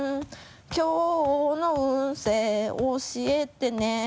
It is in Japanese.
きょうの運勢教えてね